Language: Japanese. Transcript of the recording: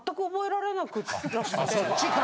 そっちか。